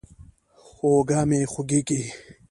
اوږه مې خوږېږي.